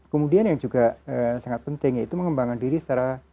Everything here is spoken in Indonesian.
kemudian yang juga sangat penting yaitu mengembangkan diri secara